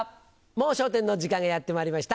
『もう笑点』の時間がやってまいりました。